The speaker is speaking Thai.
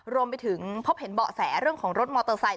รวมไปถึงพบเห็นเบาะแสเรื่องของรถมอเตอร์ไซค